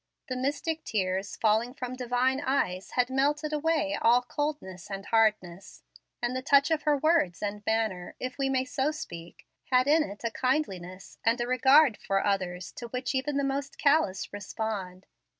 The mystic tears falling from Divine eyes had melted away all coldness and hardness, and the touch of her words and manner, if we may so speak, had in it a kindliness and a regard for others to which even the most callous respond.